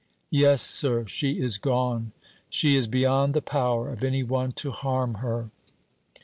Yes, sir, she is gone; she is beyond the power of any one to harm her."